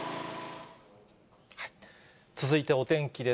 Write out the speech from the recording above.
続いてお天気です。